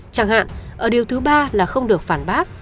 chẳng hạn ở điều thứ ba là không được phản bác